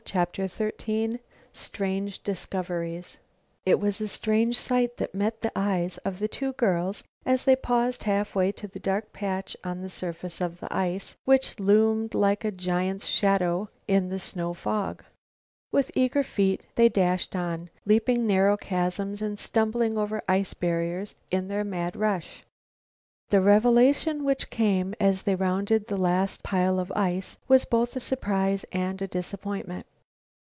CHAPTER XIII STRANGE DISCOVERIES It was a strange sight that met the eyes of the two girls as they paused halfway to the dark patch on the surface of the ice which loomed like a giant's shadow in the snow fog. With eager feet they dashed on, leaping narrow chasms and stumbling over ice barriers in their mad rush. The revelation which came as they rounded the last pile of ice was both a surprise and a disappointment.